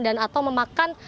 dan atau memakan